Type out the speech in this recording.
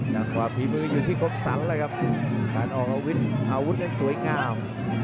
อย่างขวาพียมืออยู่ที่คมสันทางออกอาวุธให้สวยงาม